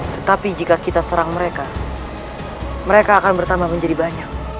tetapi jika kita serang mereka mereka akan bertambah menjadi banyak